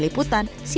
liputan cnn indonesia